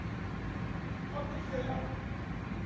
買ってきたよ。